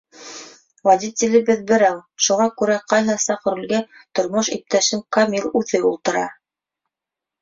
Водителебеҙ берәү, шуға күрә ҡайһы саҡ рулгә тормош иптәшем Камил үҙе ултыра.